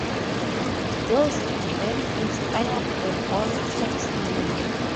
Those events inspired the ballpark's name.